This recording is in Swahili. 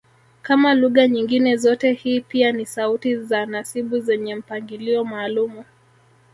Kama lugha nyingine zote hii pia ni sauti za nasibu zenye mpangilio maalumu